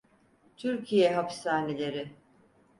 Türkiye hapishaneleri...